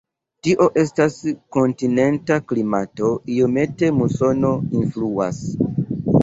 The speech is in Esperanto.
Tio estas kontinenta klimato, iomete musono influas.